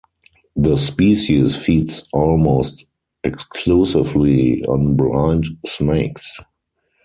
The species feeds almost exclusively on blind snakes.